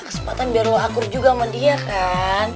kesempatan biar akur juga sama dia kan